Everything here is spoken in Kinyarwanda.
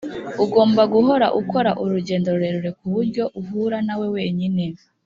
ugomba guhora ukora urugendo rurerure kuburyo uhura nawe wenyine.